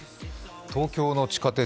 東京の地下鉄